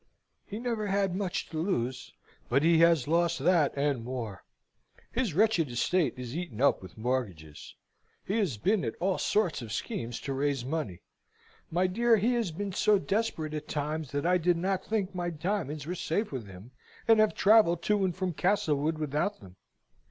"He never had much to lose, but he has lost that and more: his wretched estate is eaten up with mortgages. He has been at all sorts of schemes to raise money: my dear, he has been so desperate at times, that I did not think my diamonds were safe with him; and have travelled to and from Castlewood without them.